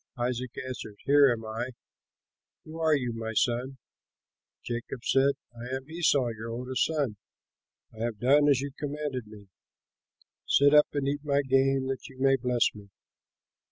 Isaac answered, "Here am I; who are you, my son?" Jacob said, "I am Esau your oldest son. I have done as you commanded me. Sit up and eat of my game, that you may bless me."